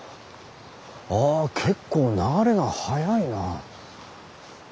あ結構流れが速いな。